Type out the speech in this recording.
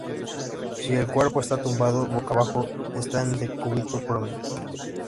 Si el cuerpo está tumbado boca abajo, está en decúbito prono.